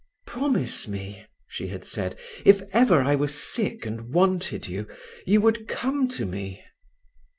"Promise me," she had said, "if ever I were sick and wanted you, you would come to me."